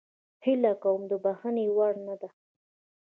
هیله کوم د بخښنې وړ نه ده.